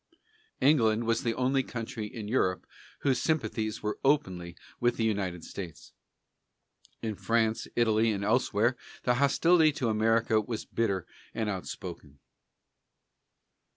England was the only country in Europe whose sympathies were openly with the United States. In France, Italy, and elsewhere, the hostility to America was bitter and outspoken.